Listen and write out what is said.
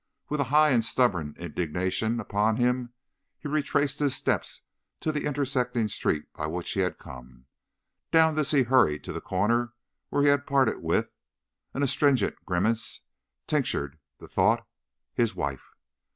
With a high and stubborn indignation upon him, be retraced his steps to the intersecting street by which he had come. Down this he hurried to the corner where he had parted with—an astringent grimace tinctured the thought—his wife.